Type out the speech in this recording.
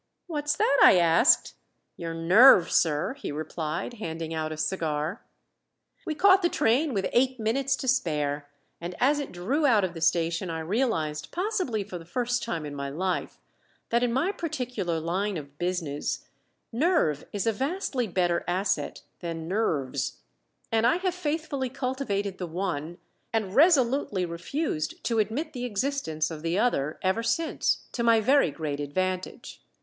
"What's that?" I asked. "Your nerve, sir," he replied, handing out a cigar. We caught the train with eight minutes to spare, and as it drew out of the station I realized possibly for the first time in my life that in my particular line of business nerve is a vastly better asset than nerves, and I have faithfully cultivated the one and resolutely refused to admit the existence of the other ever since, to my very great advantage.